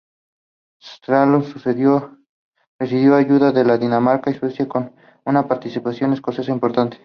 Stralsund recibió ayuda de Dinamarca y Suecia, con una participación escocesa importante.